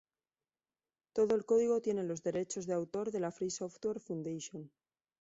Todo el código tiene los derechos de autor de la Free Software Foundation.